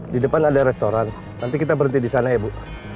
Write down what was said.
di depan ada restoran nanti kita berhenti di sana ya bu